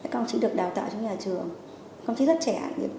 công trí được đào tạo trong nhà trường công trí rất trẻ